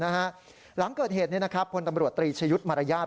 หลังเกิดเหตุนี้นะครับคนตำรวจตรีชยุทธ์มรญญาติ